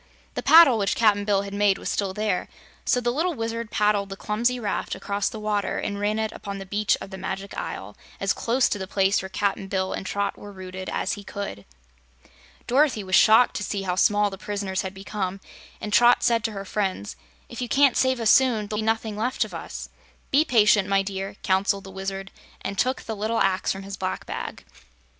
The paddle which Cap'n Bill had made was still there, so the little Wizard paddled the clumsy raft across the water and ran it upon the beach of the Magic Isle as close to the place where Cap'n Bill and Trot were rooted as he could. Dorothy was shocked to see how small the prisoners had become, and Trot said to her friends: "If you can't save us soon, there'll be nothing left of us." "Be patient, my dear," counseled the Wizard, and took the little axe from his black bag.